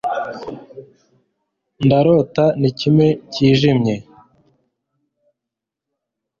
Ndarota nikime kijimye